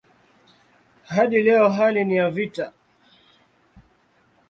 Hadi leo hali ni ya vita.